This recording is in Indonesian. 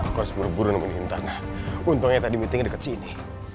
aku harus buru buru nemuin tanah untungnya tadi meetingnya dekat sini